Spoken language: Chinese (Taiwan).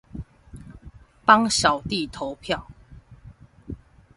幫小弟投票